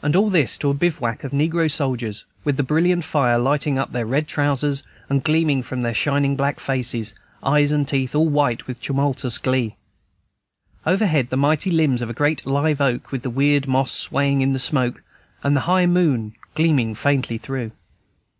And all this to a bivouac of negro soldiers, with the brilliant fire lighting up their red trousers and gleaming from their shining black faces, eyes and teeth all white with tumultuous glee. Overhead, the mighty limbs of a great live oak, with the weird moss swaying in the smoke, and the high moon gleaming faintly through.